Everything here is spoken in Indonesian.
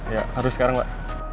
iya harus sekarang pak